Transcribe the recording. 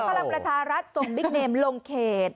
พลังประชารัฐส่งบิ๊กเนมลงเขต